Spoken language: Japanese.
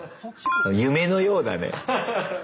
夢のようだね。